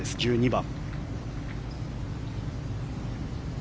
１２番。